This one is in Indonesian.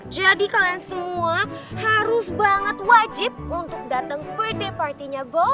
jadi kalian semua harus banget wajib untuk datang birthday partinya boy